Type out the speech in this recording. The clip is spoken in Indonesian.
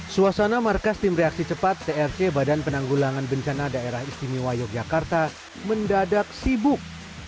suasana markas tim reaksi cepat trc badan penanggulangan bencana daerah istimewa yogyakarta mendadak sibuk